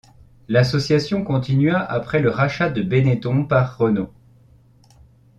L'association continua après le rachat de Benetton par Renault.